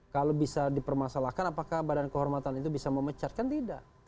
kalau bisa dipermasalahkan apakah badan kehormatan itu bisa memecat kan tidak